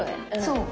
そう。